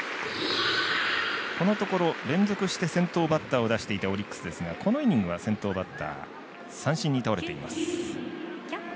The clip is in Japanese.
このところ、連続して先頭バッターを出しているオリックスですがこのイニングは先頭バッターが三振に倒れています。